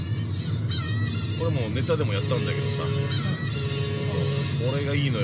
◆これ、ネタでもやったんだけどさこれがいいのよ。